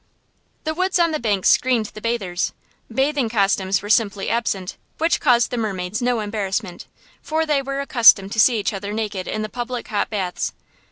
The woods on the bank screened the bathers. Bathing costumes were simply absent, which caused the mermaids no embarrassment, for they were accustomed to see each other naked in the public hot baths.